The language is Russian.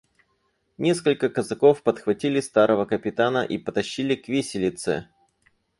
Несколько казаков подхватили старого капитана и потащили к виселице.